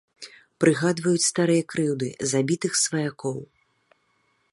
Прыгадваюць старыя крыўды, забітых сваякоў.